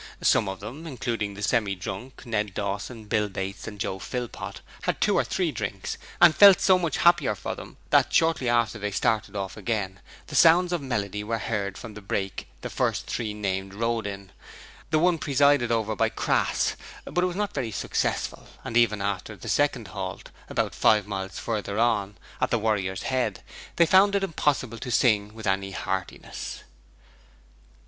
Some of them, including the Semi drunk, Ned Dawson, Bill Bates and Joe Philpot had two or three drinks, and felt so much happier for them that, shortly after they started off again, sounds of melody were heard from the brake the three first named rode in the one presided over by Crass but it was not very successful, and even after the second halt about five miles further on at the Warrior's Head, they found it impossible to sing with any heartiness.